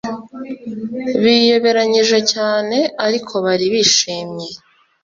biyoberanyije cyane ariko bari bishimye